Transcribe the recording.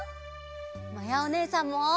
まやおねえさんも！